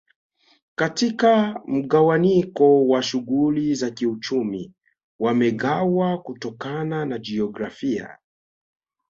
Katika mgawanyiko wa shughuli za kiuchumi wamegawa kutokana na jiografia